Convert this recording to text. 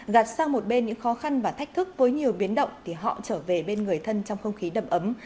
gạt sang một bên những khó khăn và thách thức với nhiều biến động thì họ trở về bên người thân trong không khí đầm ấm